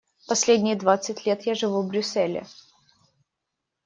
Последние двадцать лет я живу в Брюсселе.